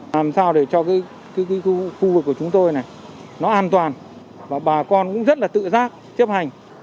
làm sao để cho khu vực của chúng tôi này nó an toàn và bà con cũng rất là tự giác chấp hành